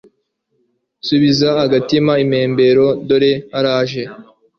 subiza agatima impembero dore araje